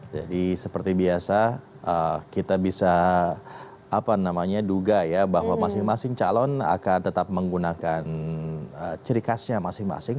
jadi seperti biasa kita bisa duga ya bahwa masing masing calon akan tetap menggunakan ciri khasnya masing masing